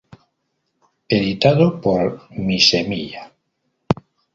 Editado por Mi Semilla.